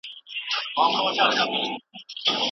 که تاسو منډه وهئ، د دماغ وینه په عمودي حالت نه ځي.